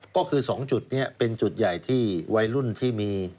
ก็คือ๒จุดนี้เป็นจุดใหญ่ที่วัยรุ่นที่มี